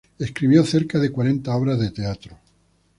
Escribió cerca de cuarenta obras de teatro.